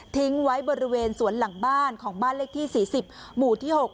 ทิ้งไว้บริเวณสวนหลังบ้านของบ้านเลขที่๔๐หมู่ที่๖